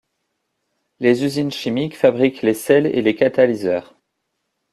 Les usines chimiques fabriquent les sels et les catalyseurs.